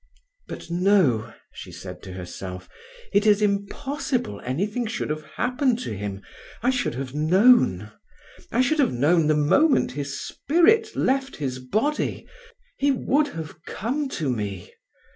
"But no," she said to herself, "it is impossible anything should have happened to him—I should have known. I should have known the moment his spirit left his body; he would have come to me.